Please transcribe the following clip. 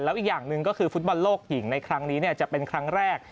อีกอย่างหนึ่งก็คือฟุตบอลโลกหญิงในครั้งนี้จะเป็นครั้งแรก